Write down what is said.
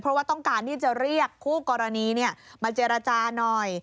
เพราะว่าต้องการที่จะเรียกคู่กรณีมาเจรจาหน่อย